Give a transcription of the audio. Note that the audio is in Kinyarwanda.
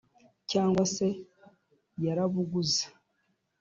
cyangwa se yarabuguze